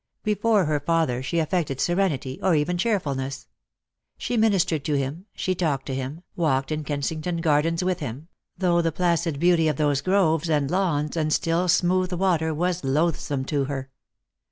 Before her father she affected serenity, or even cheerfulness. She ministered to him, she talked to him, walked in Kensington Gardens with him ; though the placid beauty of those groves and lawns and still smooth water was loathsome to her.